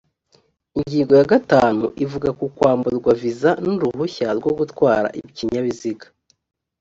ingingo ya gatanu ivuga ku kwamburwa viza n uruhushya rwo gutwara ikinyabiziga